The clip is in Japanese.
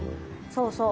そうそう。